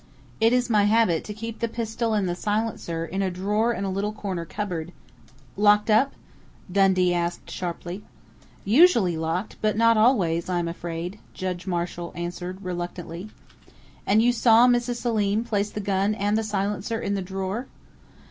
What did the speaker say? It is my habit to keep the pistol and the silencer in a drawer in a little corner cupboard " "Locked, up?" Dundee asked sharply. "Usually locked, but not always, I am afraid," Judge Marshall answered reluctantly. "And you saw Mrs. Selim place the gun and the silencer in the drawer?"